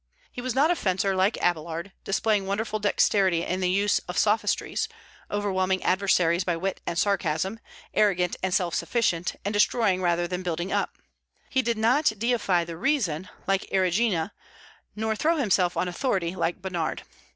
He was not a fencer like Abélard, displaying wonderful dexterity in the use of sophistries, overwhelming adversaries by wit and sarcasm; arrogant and self sufficient, and destroying rather than building up. He did not deify the reason, like Erigina, nor throw himself on authority like Bernard.